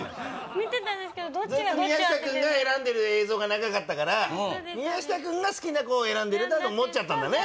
見てたんですけどどっちがずっと宮下君が選んでる映像が長かったから宮下君が好きな子を選んでるんだと思っちゃったんだね